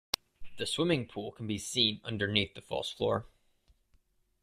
The swimming pool can be seen underneath the false floor.